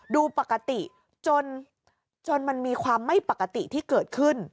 ดูปกติจนมันมีความไม่ปกติที่เกิดขึ้น